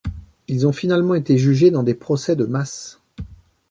Ils ont finalement été jugés dans des procès de masse.